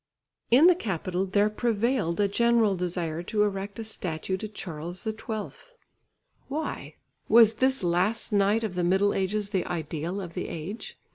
In the capital there prevailed a general desire to erect a statue to Charles XII. Why? Was this last knight of the Middle Ages the ideal of the age?